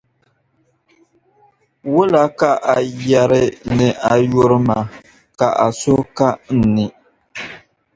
Wula ka a yɛri ni a yuri ma ka a suhu ka n ni?